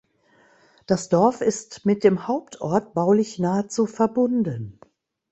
Das Dorf ist mit dem Hauptort baulich nahezu verbunden.